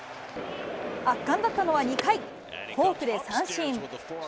圧巻だったのは２回、フォークで三振。